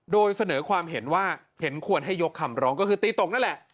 โดยเสนอความเห็นว่าเห็นควรให้ยกคำร้องก็คือตีตกนั่นแหละ